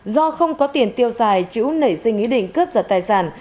do không có tiền tiêu xài chữ nảy sinh ý định cướp giật tài sản